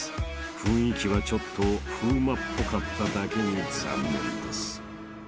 ［雰囲気はちょっと風磨っぽかっただけに残念です］